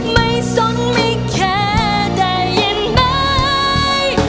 ไม่สนไม่แค่ได้ยินไหม